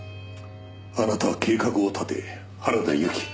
あなたは計画を立て原田由紀